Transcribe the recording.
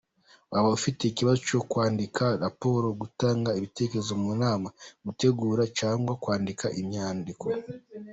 Waba ufite ikibazo cyo kwandika raporo, gutanga ibitekerezo mu nama, gutegura cyangwa kwandika imyandiko .